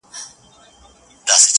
یو لېوه د غره لمن کي وږی تږی٫